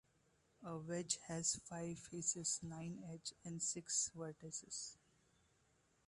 A wedge has five faces, nine edges, and six vertices.